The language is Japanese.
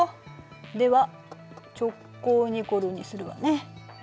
では直交ニコルにするわね。